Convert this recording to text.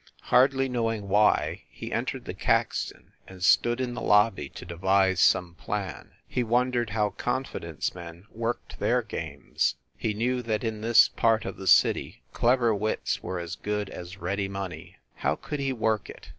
Hardly knowing why, he entered the Caxton and stood in the lobby to devise some plan. He won dered how confidence men worked their games. He knew that in this part of the city clever wits were as good as ready money. How could he work it?